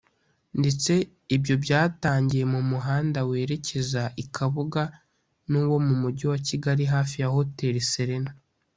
ndetse ibyo byatangiye mu muhanda werekeza i Kabuga n’uwo mu mujyi wa Kigali hafi ya Hotel Serena